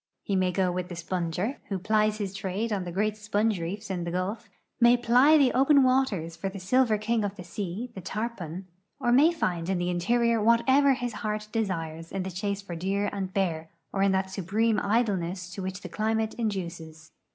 He ma}^ go with the sponger, who plies his trade on the great S})onge reef in the Gulf ; may ply the open waters for tlie silver king of the sea, the tarpon, or may find in the interior whatever his heart desires in the chase for deer and bear, or in that 'supreme idleness to which the climate induces.